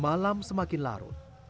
malam semakin larut